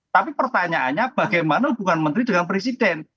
tapi pertanyaannya bagaimana hubungan menteri dengan presiden